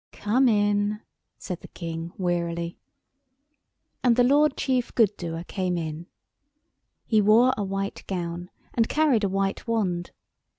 "Come in," said the King, wearily. And the Lord Chief Good doer came in. He wore a white gown and carried a white wand.